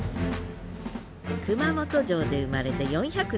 熊本城で生まれて４００年。